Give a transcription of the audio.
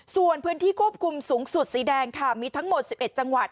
ส่วนพื้นที่ควบคุมสูงสุดสีแดงค่ะมีทั้งหมด๑๑จังหวัด